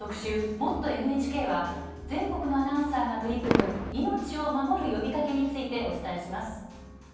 「もっとＮＨＫ」は全国のアナウンサーが取り組む「命を守る呼びかけ」についてお伝えします。